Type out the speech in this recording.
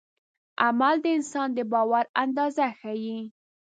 عمل د انسان د باور اندازه ښيي.